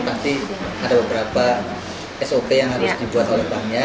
pasti ada beberapa sop yang harus dibuat oleh banknya